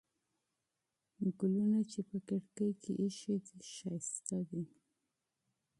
ګلونه چې په کړکۍ کې ایښي دي، ښایسته دي.